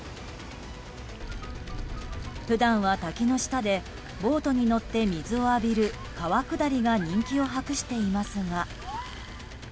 普段は、滝の下でボートに乗って水を浴びる川下りが人気を博していますが。